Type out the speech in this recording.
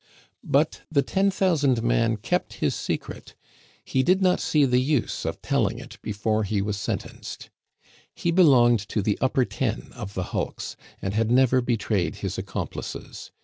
But the "Ten thousand man" kept his secret; he did not see the use of telling it before he was sentenced. He belonged to the "upper ten" of the hulks, and had never betrayed his accomplices.